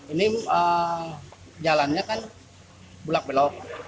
ini jalannya kan bulak belok